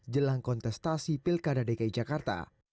jelang kontestasi pilkada dki jakarta